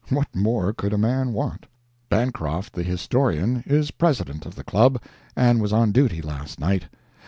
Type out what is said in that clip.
What more could a man want? Bancroft, the historian, is President of the Club, and was on duty last night.